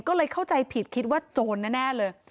ก็เลยเข้าใจผิดคิดว่าโจรแน่เลย